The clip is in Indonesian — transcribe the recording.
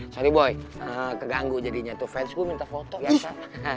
sorry boi keganggu jadinya tuh fans gua minta foto biasa